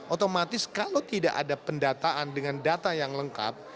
otomatis kalau tidak ada pendataan dengan data yang lengkap